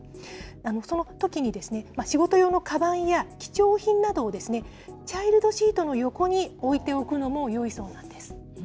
そのときに仕事用のかばんや貴重品などを、チャイルドシートの横に置いておくのもよいそうなんです。